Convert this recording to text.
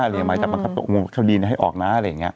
หมายจัดประกับกรมพักษณ์คดีให้ออกนะ